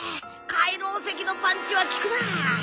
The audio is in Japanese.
海楼石のパンチは効くなぁ。